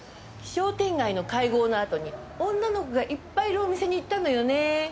商店街の会合のあとに女の子がいっぱいいるお店に行ったのよね？